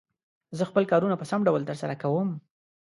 زه خپل کارونه په سم ډول تر سره کووم.